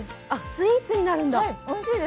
スイーツになるんだ。